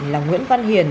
là nguyễn văn hiền